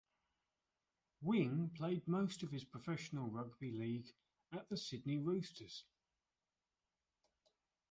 Wing played most of his professional rugby league at the Sydney Roosters.